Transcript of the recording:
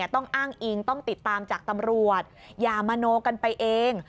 ต้องอ้างอิงต้องติดตามจากตำรวจอย่ามโนกันไปเอง